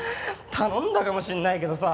頼んだかもしれないけどさ